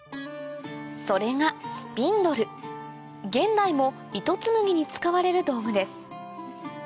それが現代も糸紡ぎに使われる道具です